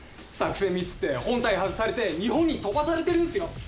作戦ミスって本隊外されて日本に飛ばされてるんすよ！